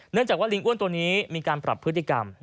เนื่องจากว่าลิงอ้วนตัวนี้มีการปรับพฤติกรรม